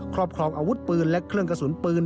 ครอบครองอาวุธปืนและเครื่องกระสุนปืน